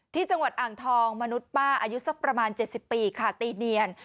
ที่จังหวัดอ่างทองมนุษย์ป้าอายุสักประมาณ๗๐ปีค่ะตีเนียน